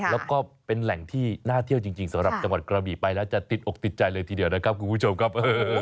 สวยนะครับ